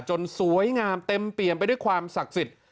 สวยงามเต็มเปี่ยมไปด้วยความศักดิ์สิทธิ์